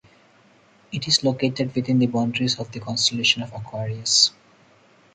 It is located within the boundaries of the constellation of Aquarius.